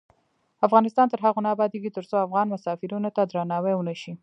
افغانستان تر هغو نه ابادیږي، ترڅو افغان مسافرینو ته درناوی ونشي.